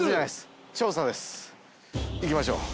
行きましょう。